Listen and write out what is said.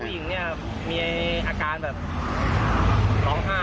ผู้หญิงเนี่ยมีอาการแบบร้องไห้